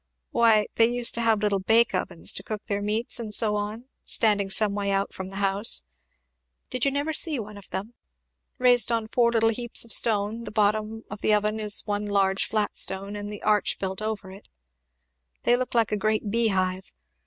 "Why, they used to have little bake ovens to cook their meats and so on, standing some way out from the house, did you never gee one of them? raised on four little heaps of stone; the bottom of the oven is one large flat stone, and the arch built over it; they look like a great bee hive.